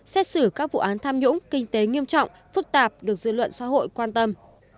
xét xử các vụ án tham nhũng kinh tế nghiêm trọng phức tạp được dư luận xã hội quan tâm